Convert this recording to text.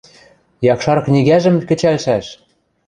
– Якшар книгӓжӹм кӹчӓлшӓш!